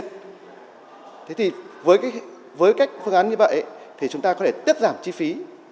thế thì với cách phương án như vậy thì chúng ta có thể tiết giảm chi phí